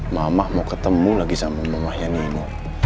mamah mau ketemu lagi sama mamahnya nino